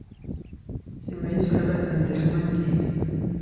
سیمه ییز خلک اندېښمن دي.